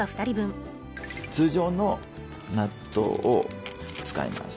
通常の納豆を使います。